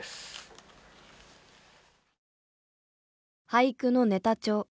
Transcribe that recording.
俳句のネタ帳。